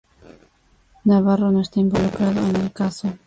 Navarro no está involucrado en el caso.